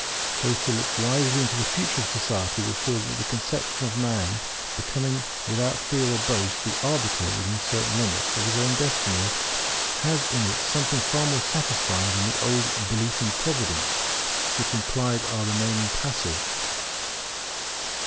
Those who look wisely into the future of society will feel that the conception of man becoming, without fear or boast, the arbiter, within certain limits, of his own destiny, has in it something far more satisfying than the old belief in Providence, which implied our remaining passive.